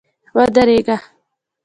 ودرېږه !